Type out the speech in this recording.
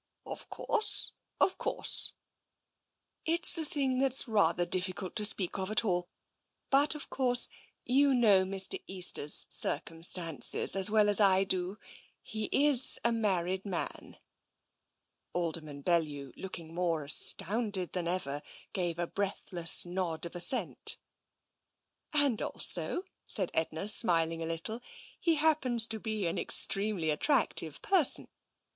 "" Of course, of course." " It's a thing that's rather difficult to speak of at all, but, of course, you know Mr. Easter's circum stances as well as I do. He is a married man." Alderman Bellew, looking more astounded than ever, gave a breathless nod of assent. " And also," said Edna, smiling a little, " he hap pens to be an extremely attractive person.